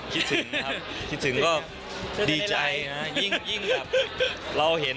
คิดถึงครับคิดถึงก็ดีใจฮะยิ่งแบบเราเห็น